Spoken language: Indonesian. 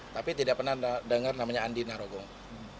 tapi tidak pernah dengar namanya andi narogong